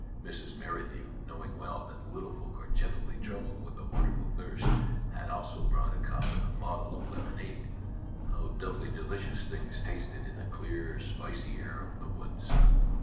Mrs. Merrithew, knowing well that little folk are generally troubled with a won derful thirst, had also brought a cup and a bottle of lemonade. How doubly delicious things tasted in the clear, spicy air of the woods